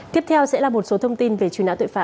tiếp theo sẽ là một số thông tin về truy nã tội phạm